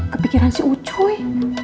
kepikiran si ucuy